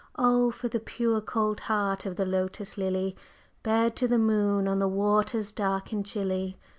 Oh, for the pure cold heart of the Lotus Lily! Bared to the moon on the waters dark and chilly.